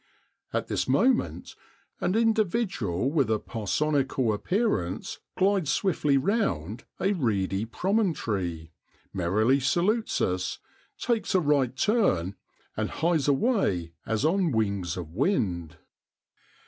At this moment an individual with a parsonical appearance glides swiftly round a reedy promon tory, merrily salutes us, takes a right turn, and hies away as on wings of wind.